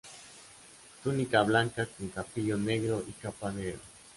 Túnica blanca con capillo negro y capa negra.